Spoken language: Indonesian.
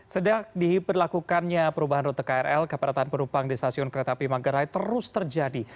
sejak diperlakukannya perubahan rute krl kepadatan penumpang di stasiun kereta api manggarai terus terjadi